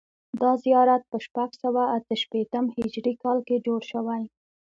دا زیارت په شپږ سوه اته شپېتم هجري کال کې جوړ شوی.